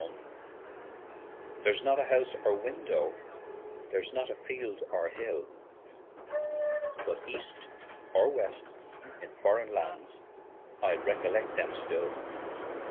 59 ON AN IRISH JAUNTING CAR There's not a house or window, there's not a field or hill, But, east or west, in foreign lands, I'll recollect them still.